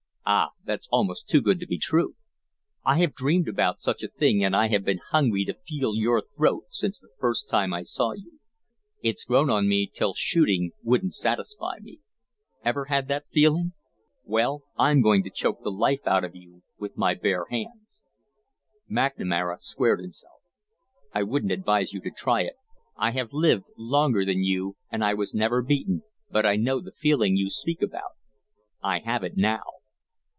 "Ah, that's almost too good to be true. I have dreamed about such a thing and I have been hungry to feel your throat since the first time I saw you. It's grown on me till shooting wouldn't satisfy me. Ever had the feeling? Well, I'm going to choke the life out of you with my bare hands." McNamara squared himself. "I wouldn't advise you to try it. I have lived longer than you and I was never beaten, but I know the feeling you speak about. I have it now."